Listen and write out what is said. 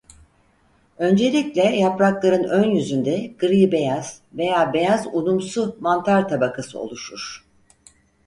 Öncelikle yaprakların ön yüzünde gri-beyaz veya beyaz unumsu mantar tabakası oluşur.